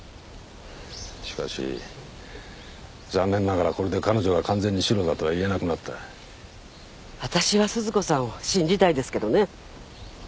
しかし残念ながらこれで彼女が完全にシロだとは言えなくなった私は鈴子さんを信じたいですけどね